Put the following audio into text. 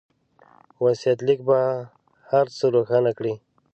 وصيت ليک به هر څه روښانه کړي.